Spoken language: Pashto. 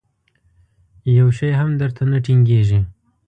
یو شی هم در ته نه ټینګېږي.